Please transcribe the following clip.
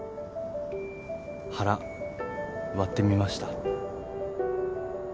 腹割ってみました。